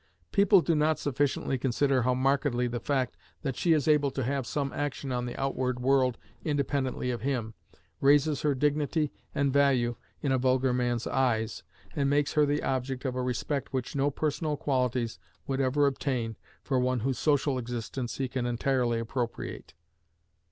People do not sufficiently consider how markedly the fact that she is able to have some action on the outward world independently of him, raises her dignity and value in a vulgar man's eyes, and makes her the object of a respect which no personal qualities would ever obtain for one whose social existence he can entirely appropriate.